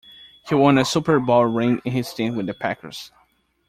He won a Super Bowl ring in his stint with the Packers.